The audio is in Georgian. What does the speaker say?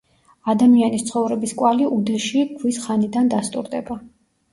ადამიანის ცხოვრების კვალი უდეში ქვის ხანიდან დასტურდება.